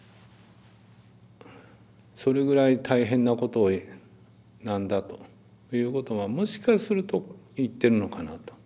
それぐらい大変なことなんだということをもしかすると言ってるのかなと。